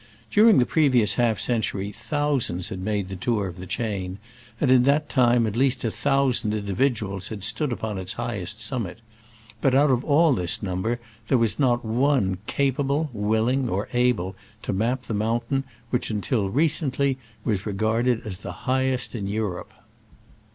During the previous half century thousands had made the tour of the chain, and in that time at least a thousand individuals had stood upon its highest summit ; but out of all this number there was not one capable, willing or able to map the mountain which, until recently, was regarded as the highest in Europe.